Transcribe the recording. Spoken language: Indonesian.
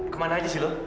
kemana aja sih lu